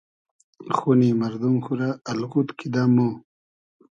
خونی مئردوم خو رۂ الغود کیدۂ مۉ